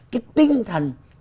cái tinh thần